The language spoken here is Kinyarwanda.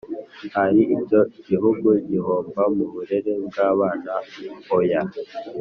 hari icyo Igihugu gihomba mu burere bw’abana oya